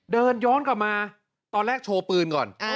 เดินย้อนกลับมาตอนแรกโชว์ปืนก่อน